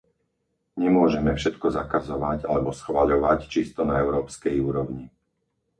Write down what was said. Nemôžeme všetko zakazovať alebo schvaľovať čisto na európskej úrovni.